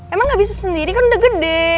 emang abis itu sendiri kan udah gede